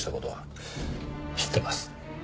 知ってます。